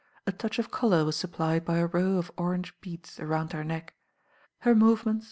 A touch of colour was supplied by a row of orange bea^s round her neck. Her movements.